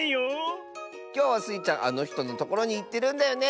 きょうはスイちゃんあのひとのところにいってるんだよね！